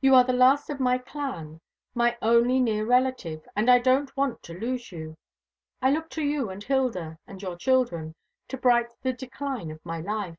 You are the last of my clan my only near relative and I don't want to lose you. I look to you and Hilda, and your children, to brighten the decline of my life."